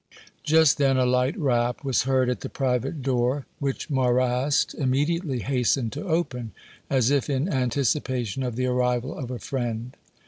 Just then a light rap was heard at the private door, which Marrast immediately hastened to open, as if in anticipation of the arrival of a friend.